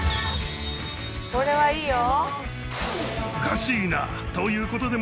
これはいいよ。